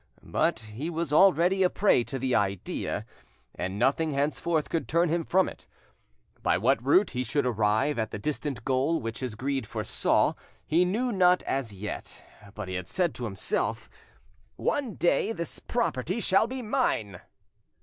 But he was already a prey to the idea, and nothing henceforth could turn him from it. By what route he should arrive at the distant goal which his greed foresaw, he knew not as yet, but he had said to himself, "One day this property shall be mine."